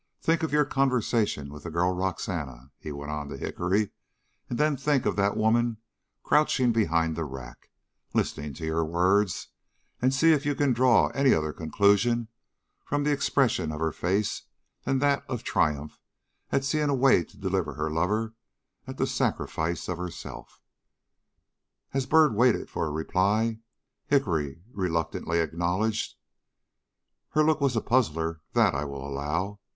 Think of your conversation with the girl Roxana," he went on to Hickory, "and then think of that woman crouching behind the rack, listening to your words, and see if you can draw any other conclusion from the expression of her face than that of triumph at seeing a way to deliver her lover at the sacrifice of herself." As Byrd waited for a reply, Hickory reluctantly acknowledged: "Her look was a puzzler, that I will allow.